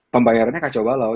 pembayarannya kacau balau